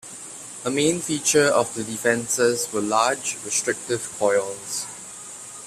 A main feature of the defenses were large, restrictive coils.